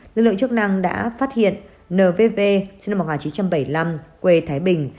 dân lượng chức năng đã phát hiện nvv một nghìn chín trăm bảy mươi năm quê thái bình